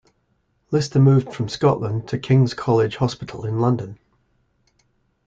Lister moved from Scotland to King's College Hospital, in London.